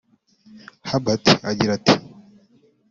Herbert agira ati